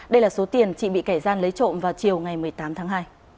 đây là số tiền chị bị kẻ gian lấy trộm vào chiều ngày một mươi tám tháng hai